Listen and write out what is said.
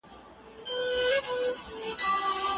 د ژوند حق د الله انعام دی.